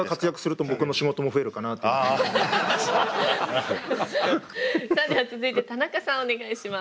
なのでさあでは続いて田中さんお願いします。